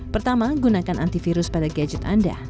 pertama gunakan antivirus pada gadget anda